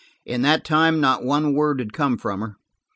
In that time, not one word had come from her.